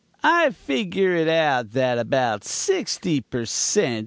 I figure it out that about sixty per cent.